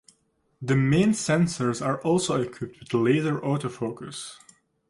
The main sensors are also equipped with laser autofocus.